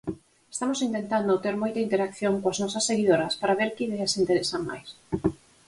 Estamos intentando ter moita interacción coas nosas seguidoras para ver que ideas interesan máis.